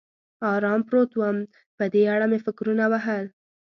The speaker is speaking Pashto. ارام پروت ووم، په دې اړه مې فکرونه وهل.